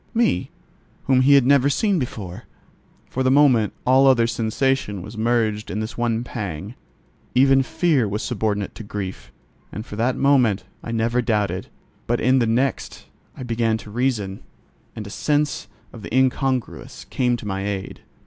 —me, whom he had never seen before? For the moment all other sensation was merged in this one pang: even fear was subordinate to grief, and for that moment I never doubted; but in the next I began to reason, and a sense of the incongruous came to my aid.